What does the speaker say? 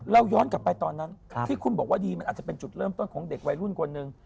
ย้อนกลับไปตอนนั้นที่คุณบอกว่าดีมันอาจจะเป็นจุดเริ่มต้นของเด็กวัยรุ่นคนหนึ่ง